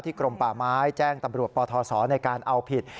กรมป่าไม้แจ้งตำรวจปทศในการเอาผิด